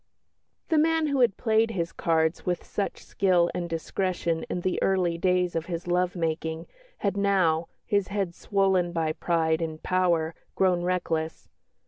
The man who had played his cards with such skill and discretion in the early days of his love making had now, his head swollen by pride and power, grown reckless.